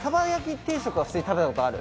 汽仂討蠖普通に食べたことある？